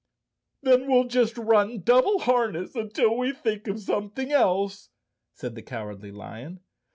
"Then we'll just run double harness until we think of something else," said the Cowardly Lion.